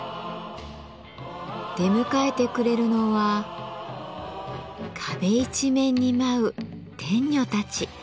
出迎えてくれるのは壁一面に舞う天女たち。